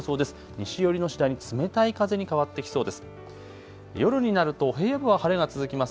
西寄りの次第に冷たい風に変わってきそうです。